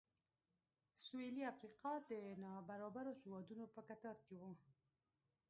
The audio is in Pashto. سوېلي افریقا د نابرابرو هېوادونو په کتار کې و.